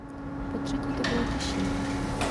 Potřetí to bylo těžší.